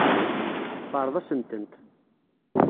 Teffreḍ-asen-tent.